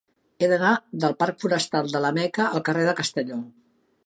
He d'anar del parc Forestal de la Meca al carrer de Castelló.